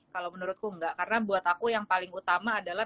kalau menurutku enggak karena buat aku yang paling utama adalah